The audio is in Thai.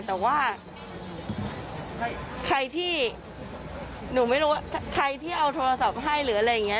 แต่ว่าใครที่หนูไม่รู้ว่าใครที่เอาโทรศัพท์ให้หรืออะไรอย่างนี้